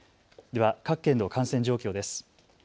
では各県の感染状況です。